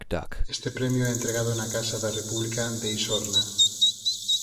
Este premio é entregado na Casa da República de Isorna